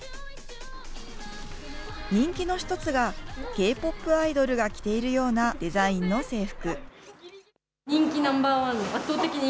人気の１つがＫ−ＰＯＰアイドルが着ているようなデザインの制服。